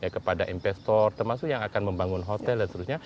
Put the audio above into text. kepada investor termasuk yang akan membangun hotel dan seterusnya